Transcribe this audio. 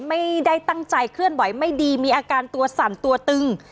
ไม่ได้ตั้งใจเคลื่อนไหวไม่ดีมีอาการตัวสั่นตัวตึง